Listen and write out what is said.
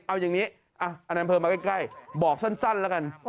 เอาอย่างนี้อันอำเภอมาใกล้บอกสั้นแล้วกัน